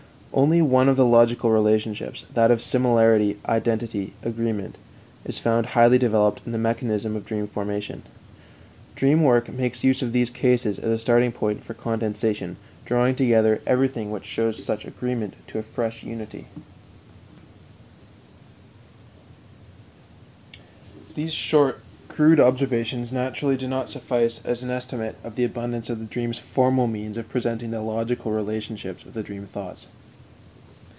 Only one of the logical relationships that of similarity, identity, agreement is found highly developed in the mechanism of dream formation. Dream work makes use of these cases as a starting point for condensation, drawing together everything which shows such agreement to a fresh unity. These short, crude observations naturally do not suffice as an estimate of the abundance of the dream's formal means of presenting the logical relationships of the dream thoughts.